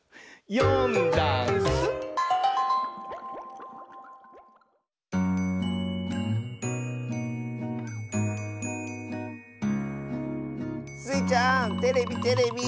「よんだんす」スイちゃんテレビテレビ！